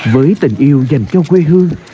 với tình yêu dành cho quê hương